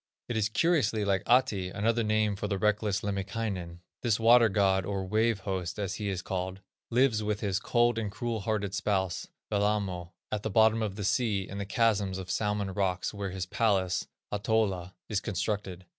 It is curiously like Ahti, another name for the reckless Lemminkainen. This water god, or "Wave host," as he is called, lives with his "cold and cruel hearted spouse," Wellamo, at the bottom of the sea, in the chasms of the Salmon rocks, where his palace, Ahtola, is constructed.